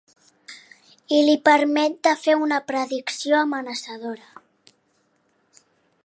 I li permet de fer una predicció amenaçadora.